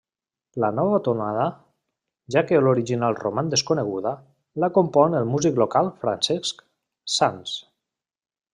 La nova tonada, ja que l'original roman desconeguda, la compon el músic local Francesc Sans.